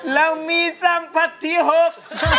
เรามีสัมผัสที่หก